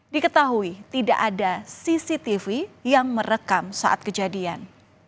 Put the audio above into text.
diketahui tidak ada cctv yang merekam saat kejadian